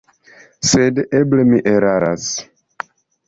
Sed eble mi eraras.